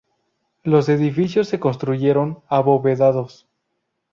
Los edificios se construyeron abovedados.